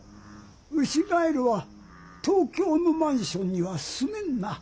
ウシガエルは東京のマンションにはすめんな。